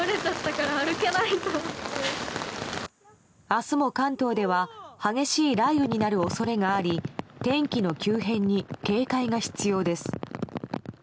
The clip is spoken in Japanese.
明日も関東では激しい雷雨になる恐れがあり天気の急変に警戒が必要です。